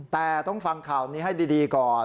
แต่ต้องฟังข่าวนี้ให้ดีก่อน